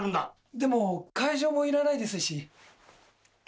でも会場もいらないですし。